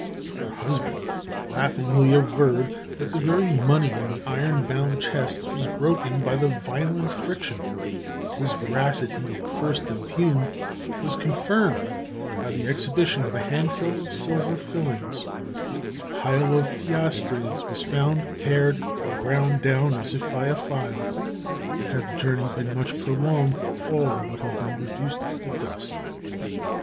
Her husband laughingly averred that the very money in the iron bound chests was broken by the violent friction, and his veracity, at first impugned, was confirmed by the exhibition of a handful of silver filings; a pile of piastres was found pared and ground down as if by a file, and had the journey been much prolonged, "all would have been reduced to dust."